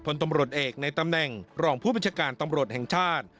พลตำรวจเอกในตำแหน่งรองผู้บัญชาการตำรวจแห่งชาติ